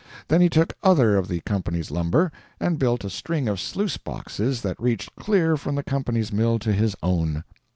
Then he took other of the company's lumber, and built a string of sluice boxes that reached clear from the company's mill to his own.